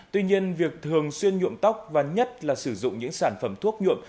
tuy nhiên việc thường xuyên nhuộm tóc và nhất là sử dụng những sản phẩm thuốc nhuộm